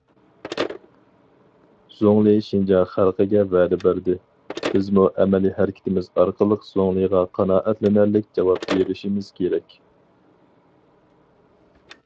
زۇڭلى شىنجاڭ خەلقىگە ۋەدە بەردى، بىزمۇ ئەمەلىي ھەرىكىتىمىز ئارقىلىق زۇڭلىغا قانائەتلىنەرلىك جاۋاب بېرىشىمىز كېرەك.